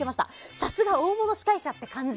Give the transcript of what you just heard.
さすが、大物司会者って感じ。